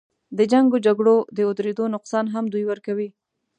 د جنګ و جګړو د اودرېدو نقصان هم دوی ورکوي.